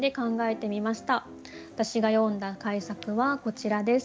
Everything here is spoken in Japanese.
私が詠んだ改作はこちらです。